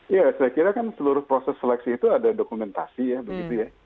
ya saya kira kan seluruh proses seleksi itu ada dokumentasi ya begitu ya